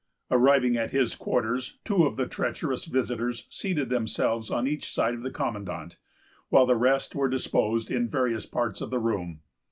Arriving at his quarters, two of the treacherous visitors seated themselves on each side of the commandant, while the rest were disposed in various parts of the room.